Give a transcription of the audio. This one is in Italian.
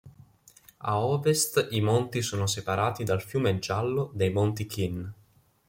A ovest i monti sono separati dal fiume Giallo dai monti Qin.